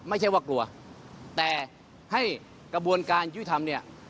ไม่ใช่ว่ากลัวแต่ให้กระบวนการยุทธรรมเนี่ย